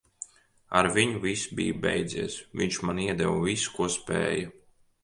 Ar viņu viss bija beidzies. Viņš man iedeva visu, ko spēja.